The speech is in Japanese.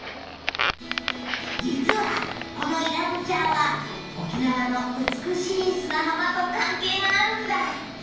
実はこのイラブチャーは沖縄の美しい砂浜と関係があるんだ！